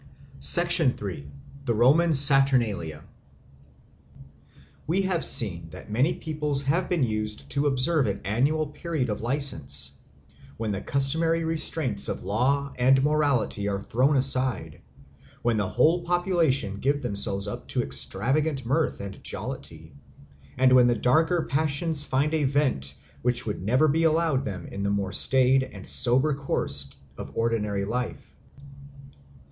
3. The Roman Saturnalia WE have seen that many peoples have been used to observe an annual period of license, when the customary restraints of law and morality are thrown aside, when the whole population give themselves up to extravagant mirth and jollity, and when the darker passions find a vent which would never be allowed them in the more staid and sober course of ordinary life.